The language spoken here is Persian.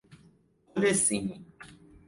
پل سیمی